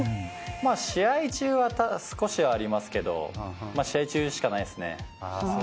試合中は少しありますけど試合中しかないですね。